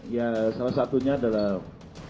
ya salah satunya adalah